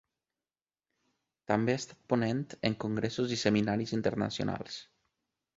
També ha estat ponent en congressos i seminaris internacionals.